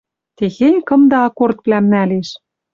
Техень кымда аккордвлӓм нӓлеш